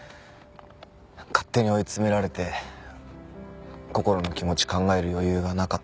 勝手に追い詰められてこころの気持ち考える余裕がなかった。